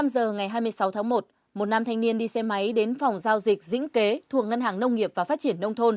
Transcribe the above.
một mươi giờ ngày hai mươi sáu tháng một một nam thanh niên đi xe máy đến phòng giao dịch dĩnh kế thuộc ngân hàng nông nghiệp và phát triển nông thôn